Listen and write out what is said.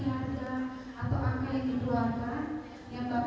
yang saya dengar adalah